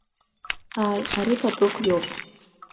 Ааи, ари Патыхә иоуп.